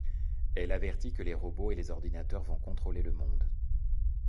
Elle avertit que les robots et les ordinateurs vont contrôler le monde.